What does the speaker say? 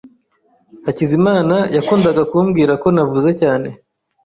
Hakizimana yakundaga kumbwira ko navuze cyane.